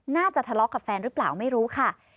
น่าจะทะเลาะกับแฟนหรือเปล่าไม่รู้ค่ะ